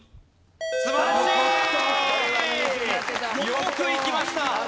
よくいきました！